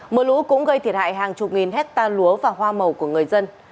mưa lũ cũng gây thiệt hại hàng chục nghìn hectare lúa và hoa màu của người dân